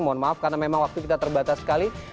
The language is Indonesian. mohon maaf karena memang waktu kita terbatas sekali